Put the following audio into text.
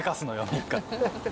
３日。